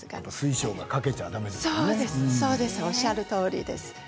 おっしゃるとおりです。